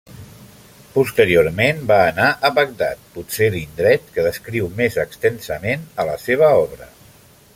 Posteriorment va anar a Bagdad, potser l'indret que descriu més extensament a la seva obra.